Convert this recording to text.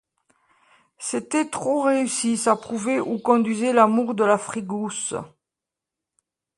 C'était trop réussi, ça prouvait où conduisait l'amour de la frigousse.